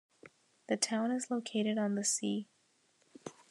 The town is located on the C